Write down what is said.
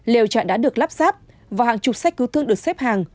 lều trại đã được lắp ráp và hàng chục sách cứu thương được xếp hàng